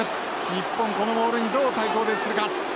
日本このモールにどう対抗するか？